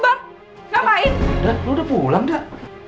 udah lu udah pulang dah